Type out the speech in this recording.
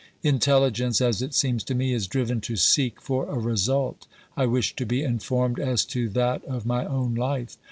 Intelligence, as it seems to me, is driven to seek for a result; I wish to be informed as to that of my own life